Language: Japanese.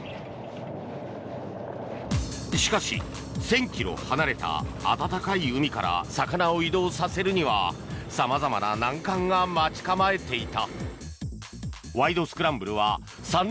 しかし、１０００ｋｍ離れた暖かい海から魚を移動させるには様々な難関が待ち構えていた。